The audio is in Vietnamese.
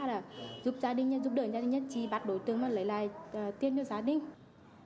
giúp gia đình giúp đỡ gia đình chỉ bắt đối tượng lấy lại tiền cho gia đình